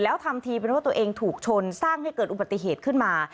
แล้วทำทีเป็นว่าตัวเองถูกชนสร้างให้เกิดอุบัติเหตุขึ้นมา